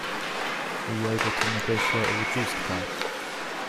Were you able to negotiate a reduced price?